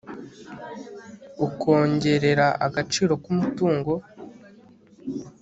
ukongerera agaciro k umutungo